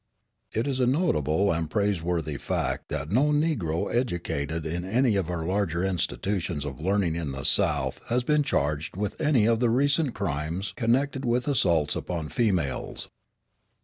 It is a notable and praiseworthy fact that no Negro educated in any of our larger institutions of learning in the South has been charged with any of the recent crimes connected with assaults upon females.